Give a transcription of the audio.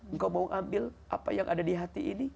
engkau mau ambil apa yang ada di hati ini